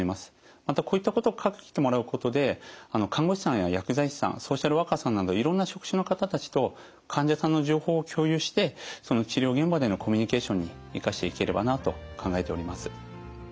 またこういったことを書いてもらうことで看護師さんや薬剤師さんソーシャルワーカーさんなどいろんな職種の方たちと患者さんの情報を共有してその治療現場でのコミュニケーションに生かしていければなと考えております。